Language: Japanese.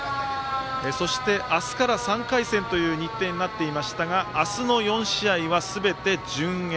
そして、明日から３回戦という日程になっていましたが明日の４試合はすべて順延。